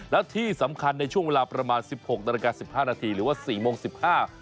และที่สำคัญในช่วงเวลาประมาณ๑๖น๑๕นหรือว่า๔โมง๑๕น